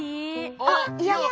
あっいや。